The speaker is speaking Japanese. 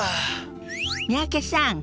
三宅さん